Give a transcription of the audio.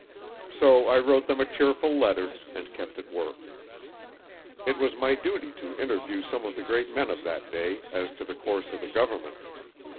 So I wrote them a cheerful letter, and kept at work. It was my duty to interview some of the great men of that day as to the course of the government.